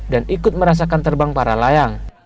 dan ikut merasakan terbang para layang